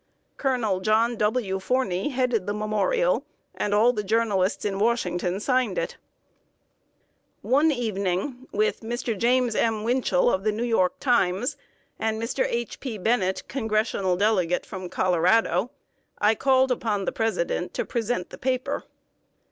Colonel John W. Forney headed the memorial, and all the journalists in Washington signed it. [Sidenote: A VISIT TO PRESIDENT LINCOLN.] One evening, with Mr. James M. Winchell, of The New York Times, and Mr. H. P. Bennett, Congressional Delegate from Colorado, I called upon the President to present the paper.